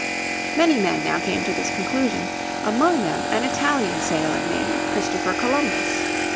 Many men now came to this conclusion, among them an Italian sailor named Christopher Columbus.